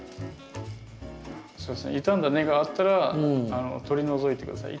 そうですね傷んだ根があったら取り除いて下さい。